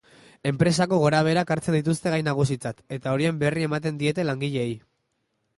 Enpresako gorabeherak hartzen dituzte gai nagusitzat eta horien berri ematen diete langileei.